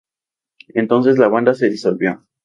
Entonces, la banda se disolvió.